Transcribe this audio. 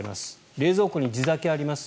冷蔵庫に地酒があります。